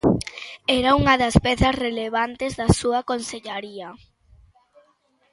Era unha das pezas relevantes da súa consellaría.